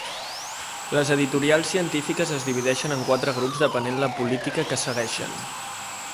Les editorials científiques es divideixen en quatre grups depenent la política que segueixen.